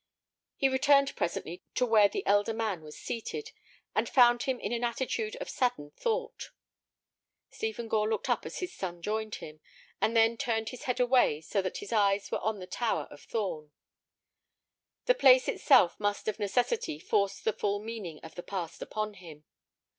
He returned presently to where the elder man was seated, and found him in an attitude of saddened thought. Stephen Gore looked up as his son joined him, and then turned his head away so that his eyes were on the tower of Thorn. The place itself must of necessity force the full meaning of the past upon him.